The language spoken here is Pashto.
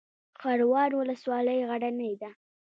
خروار ولسوالۍ غرنۍ ده؟